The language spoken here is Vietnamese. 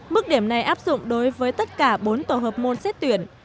mức điểm này áp dụng đối với tất cả bốn tổ hợp môn xét tuyển